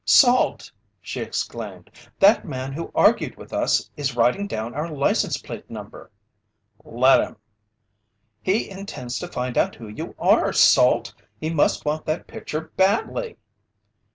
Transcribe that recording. "Salt!" she exclaimed. "That man who argued with us is writing down our license plate number!" "Let him!" "He intends to find out who you are, Salt! He must want that picture badly."